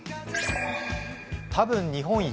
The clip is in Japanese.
「多分日本一？！